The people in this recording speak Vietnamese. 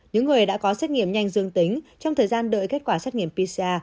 những người đã có xét nghiệm nhanh dương tính trong thời gian đợi kết quả xét nghiệm pcr